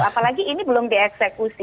apalagi ini belum dieksekusi